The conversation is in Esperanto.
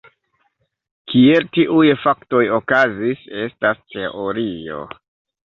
Kiel tiuj faktoj okazis, estas teorio.